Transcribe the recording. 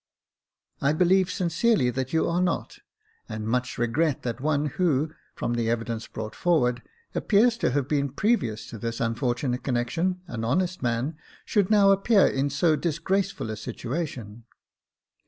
]" I believe sincerely that you are not, and much regret that one who, from the evidence brought forward, appears to have been, previously to this unfortunate connection, an honest man, should now appear in so disgraceful a situation.